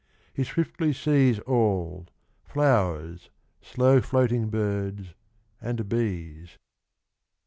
He swiftly sees All — flowers, slow floating birds and bees.